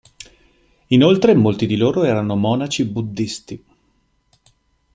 Inoltre molti di loro erano monaci buddhisti.